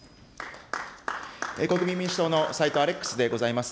国民民主党の斎藤アレックスでございます。